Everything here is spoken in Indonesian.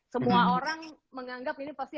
semua orang menganggap ini pasti